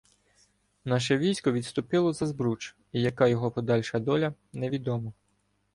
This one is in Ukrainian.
Наше військо відступило за Збруч, і яка його подальша доля — невідомо.